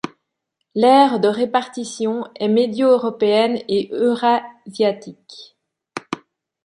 L'aire de répartition est médioeuropéenne et eurasiatique.